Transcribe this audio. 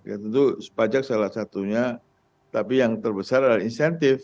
ya tentu pajak salah satunya tapi yang terbesar adalah insentif